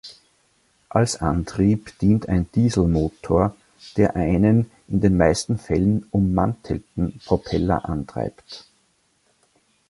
Als Antrieb dient ein Dieselmotor, der einen in den meisten Fällen ummantelten Propeller antreibt.